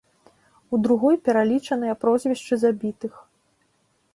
У другой пералічаныя прозвішчы забітых.